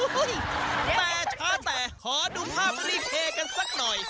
แต่ช้าแต่ขอดูภาพรีเพลกันสักหน่อย